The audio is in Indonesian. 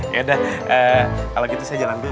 ya udah kalau gitu saya jalan dulu